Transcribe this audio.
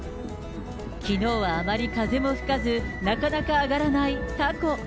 きのうはあまり風も吹かず、なかなか揚がらないたこ。